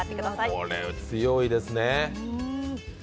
これ強いですね。